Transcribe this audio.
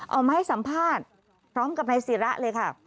ออกมาให้สัมภาษณ์พร้อมกับนายศิระเลยค่ะ